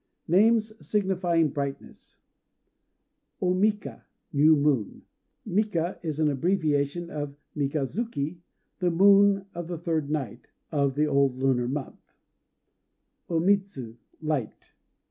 NAMES SIGNIFYING BRIGHTNESS O Mika "New Moon." Mika is an abbreviation of Mikazuki, "the moon of the third night" [of the old lunar month]. O Mitsu "Light."